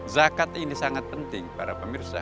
zakat ini sangat penting para pemirsa